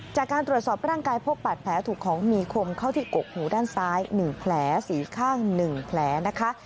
จากการตรวจสอบร่างกายพบบาดแผลถูกของมีคมเข้าที่กกหูด้านซ้าย๑แผลสีข้าง๑แผลนะคะ